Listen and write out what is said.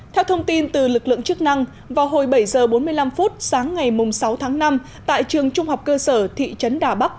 theo thông tin từ lực lượng chức năng vào hồi bảy h bốn mươi năm sáng ngày sáu tháng năm tại trường trung học cơ sở thị trấn đà bắc